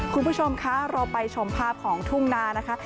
คุณผู้ชมคะเราไปชมภาพของทุ่งนานะคะ